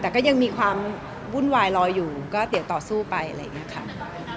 แต่ก็ยังมีความวุ่นวายรออยู่ก็เดี๋ยวต่อสู้ไปอะไรอย่างนี้ค่ะ